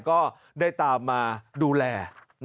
ก็ได้ตามมาดูแล